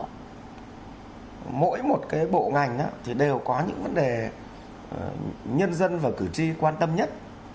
mỗi một cái bộ ngành thì đều có những vấn đề nhân dân và cử tri quan tâm nhất